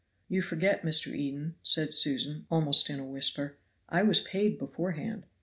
"You forget, Mr. Eden," said Susan, almost in a whisper, "I was paid beforehand."